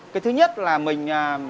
cái thứ nhất là mình